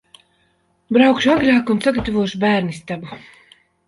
Braukšu agrāk un sagatavošu bērnistabu.